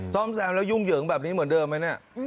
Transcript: ซ่อมแซมแล้วยุ่งเหยิงแบบนี้เหมือนเดิมไหมเนี่ย